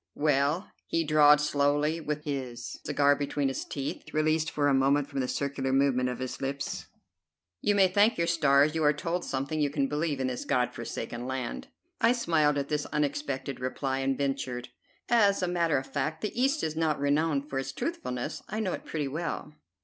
"Well!" he drawled slowly, with his cigar between his teeth, released for a moment from the circular movement of his lips, "you may thank your stars you are told something you can believe in this God forsaken land." I smiled at this unexpected reply and ventured: "As a matter of fact, the East is not renowned for its truthfulness. I know it pretty well."